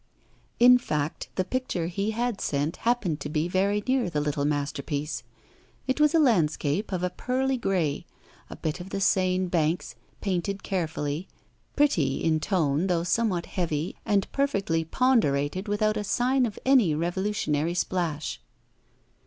In fact, the picture he had sent happened to be very near the little masterpiece. It was a landscape of a pearly grey, a bit of the Seine banks, painted carefully, pretty in tone, though somewhat heavy, and perfectly ponderated without a sign of any revolutionary splash.